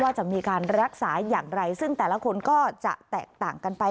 จะมีการรักษาอย่างไรซึ่งแต่ละคนก็จะแตกต่างกันไป